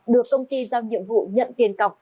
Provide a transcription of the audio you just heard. được công ty giao nhiệm vụ nhận tiền cọc